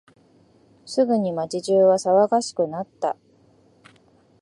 すぐに街中は騒がしくなった。